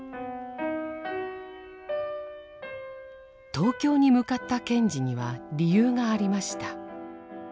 東京に向かった賢治には理由がありました。